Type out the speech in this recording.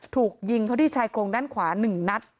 ถูกยิงเขาที่ชายโครงด้านขวา๑นัด